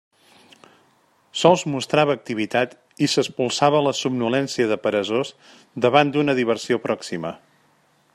Sols mostrava activitat i s'espolsava la somnolència de peresós davant d'una diversió pròxima.